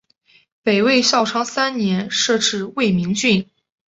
北魏孝昌三年设置魏明郡。